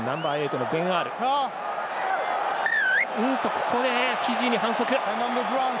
ここで、フィジーに反則。